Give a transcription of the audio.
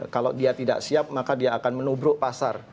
kalau dia tidak siap maka dia akan menubruk pasar